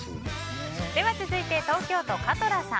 続いて、東京都の方。